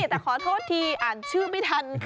แต่ขอโทษทีอ่านชื่อไม่ทันค่ะ